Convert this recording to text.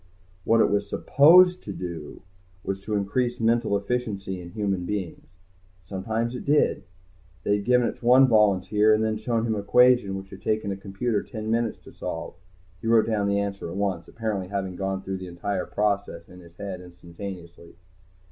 What it was supposed to do was increase mental efficiency in human beings. Sometimes it did. They had given it to one volunteer and then shown him an equation which it had taken a computer ten minutes to solve. He wrote down the answer at once, apparently having gone through the entire process in his head instantaneously.